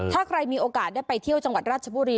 ถ้าใครมีโอกาสได้ไปเที่ยวจังหวัดราชบุรี